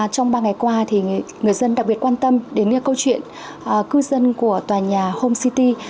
trong ba ngày qua người dân đặc biệt quan tâm đến câu chuyện cư dân của tòa nhà home city